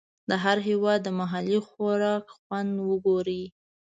د هر هېواد د محلي خوراک خوند وګورئ.